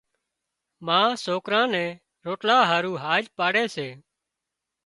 ما سوڪران نين روٽلا هارُو هاڄ پاڙي سي۔